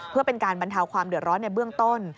เพื่อเป็นการบรรเทาความเดือดร้อนในเบื้องต้น